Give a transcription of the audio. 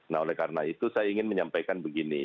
nah oleh karena itu saya ingin menyampaikan begini